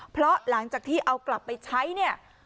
เพราะหลังจากที่เอากลับไปใช้เนี่ย